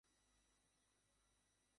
Liver একজন খ্রিষ্টান ধর্মের অনুসারী।